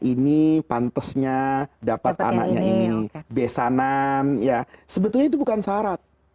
ini pantesnya dapat anaknya ini besanan ya sebetulnya itu bukan syarat